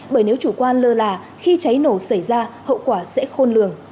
bởi nếu chủ quan lơ là khi cháy nổ xảy ra hậu quả sẽ khôn lường